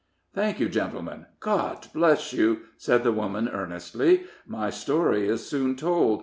"Thank you, gentlemen God bless you," said the woman, earnestly. "My story is soon told.